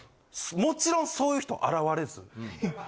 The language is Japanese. もちろんそういう人現れず。